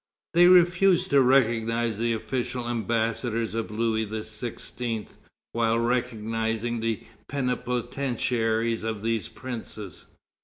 They refused to recognize the official ambassadors of Louis XVI., while recognizing the plenipotentiaries of these princes.